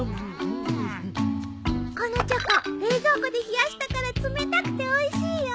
このチョコ冷蔵庫で冷やしたから冷たくておいしいよ。